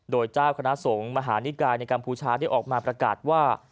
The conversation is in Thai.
โดยเจ้าคณะสงฆ์มหานิกายในกัมพูชาได้ออกมาประกาศว่า